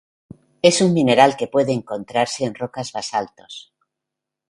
Es un mineral que puede encontrarse en rocas basaltos.